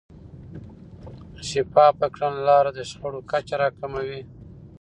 شفاف کړنلارې د شخړو کچه راکموي.